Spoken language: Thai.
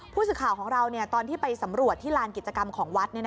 ผู้สื่อข่าวของเราตอนที่ไปสำรวจที่ลานกิจกรรมของวัด